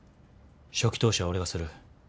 初期投資は俺がする。